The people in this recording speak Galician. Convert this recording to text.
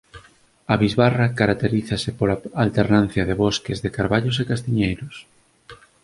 A bisbarra caracterízase pola alternancia de bosques de carballos e castiñeiros